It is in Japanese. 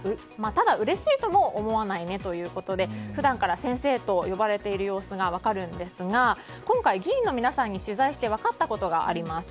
ただうれしいとも思わないねということで普段から先生と呼ばれている様子が分かるんですが今回議員の皆さんに取材して分かったことがあります。